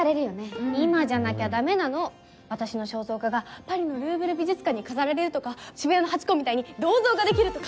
今じゃなきゃダメなの私の肖像画がパリのルーヴル美術館に飾られるとか渋谷のハチ公みたいに銅像が出来るとか。